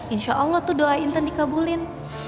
insya allah doa intan dikabulin